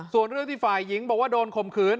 ส่วนเรื่องที่ฝ่ายหญิงบอกว่าโดนข่มขืน